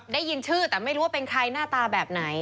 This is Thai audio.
ได้ยินชื่อแต่ไม่รู้ว่าเป็นใครหน้าตาแบบไหน